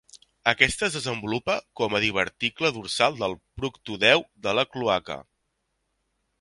Aquesta es desenvolupa com a diverticle dorsal del proctodeu de la cloaca.